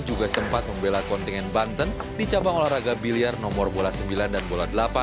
juga sempat membela kontingen banten di cabang olahraga biliar nomor bola sembilan dan bola delapan